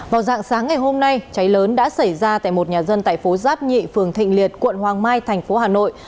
vào dạng sáng ngày hôm nay cháy lớn đã xảy ra tại một nhà dân tại phố giáp nhị phường thịnh liệt quận hoàng mai thành phố hà nội